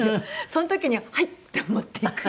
その時に「はい」って持っていく。